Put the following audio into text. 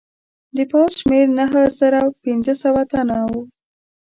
د پوځ شمېر نهه زره پنځه سوه تنه وو.